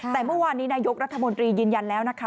แต่เมื่อวานนี้นายกรัฐมนตรียืนยันแล้วนะคะ